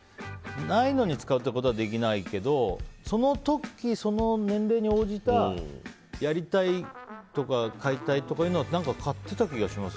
ないのに使うことはできないけどその時、その年齢に応じたやりたいとか買いたいとかいうのは買ってた気がします。